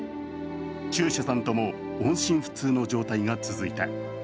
中車さんとも音信不通の状態が続いた。